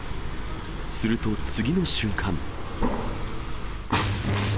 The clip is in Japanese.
すると次の瞬間。